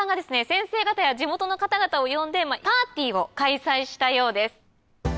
先生方や地元の方々を呼んでパーティーを開催したようです。